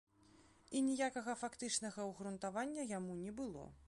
І ніякага фактычнага ўгрунтавання яму не было.